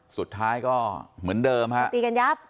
สุดท้ายก็เหมือนเดิมฮะตีกันยับ